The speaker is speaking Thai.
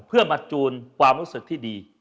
เพื่อมาจูนความรู้สึกที่ดี